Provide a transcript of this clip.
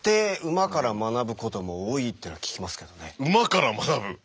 馬から学ぶ。